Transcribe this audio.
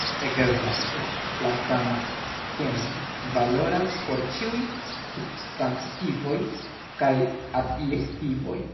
Ekzakte la sama skemo valoras por ĉiuj substantivoj kaj adjektivoj.